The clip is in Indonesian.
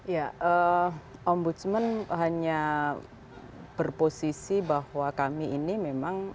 ya ombudsman hanya berposisi bahwa kami ini memang